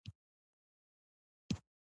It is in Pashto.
د ګلاب له زوى سره راووتم.